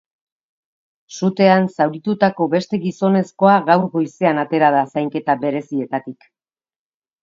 Sutean zauritutako beste gizonezkoa gaur goizean atera da zainketa berezietatik.